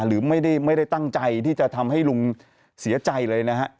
หรือไม่ได้ตั้งใจที่จะทำให้ลุงเสียใจเลยนะฮะ